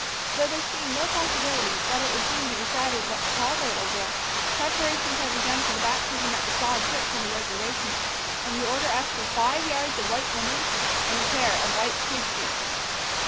Though there seemed no possibility that it would soon be decided what to call the little girl, preparations had begun for the baptism at the sod church on the reservation, and the order asked for five yards of fine linen and a pair of white kid shoes.